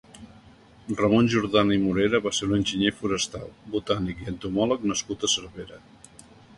Ramon Jordana i Morera va ser un enginyer forestal, botànic i entomòleg nascut a Cervera.